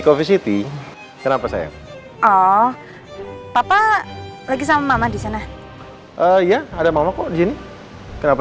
kontaknya sudah dikirim papa sur ya